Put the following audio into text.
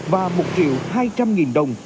và một triệu hai trăm linh nghìn đồng